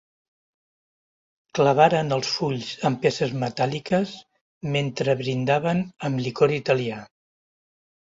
Clavaren els fulls amb peces metàl·liques mentre brindaven amb licor italià.